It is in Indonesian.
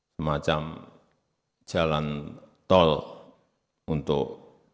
semacam jalan tol untuk